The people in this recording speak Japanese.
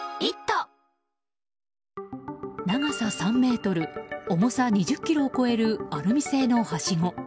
長さ３ｍ重さ２０ｋｇを超えるアルミ製のはしご。